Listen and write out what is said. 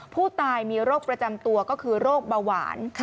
ผู้ตายมีโรคประจำตัวก็คือโรคเบาหวาน